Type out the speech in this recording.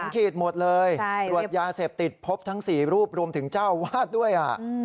ขีดหมดเลยตรวจยาเสพติดพบทั้ง๔รูปรวมถึงเจ้าอาวาสด้วย